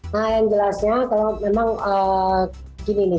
nah yang jelasnya kalau memang gini nih